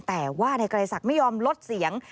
แต่ว่านายไกรศักดิ์ไม่ยอมลดเสียง